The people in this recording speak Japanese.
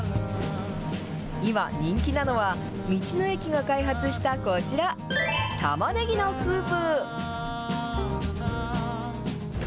今、人気なのは、道の駅が開発したこちら、たまねぎのスープ。